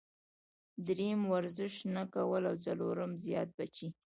دريم ورزش نۀ کول او څلورم زيات بچي -